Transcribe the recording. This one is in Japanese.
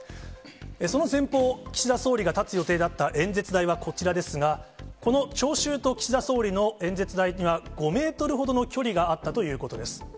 その前方、岸田総理が立つ予定だった演説台はこちらですが、この聴衆と岸田総理の演説台は５メートルほどの距離があったということです。